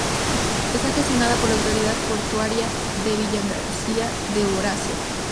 Está gestionada por la Autoridad Portuaria de Villagarcía de Arosa.